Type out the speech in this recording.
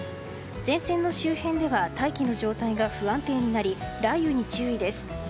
前線の周辺では大気の状態が不安定になり雷雨に注意です。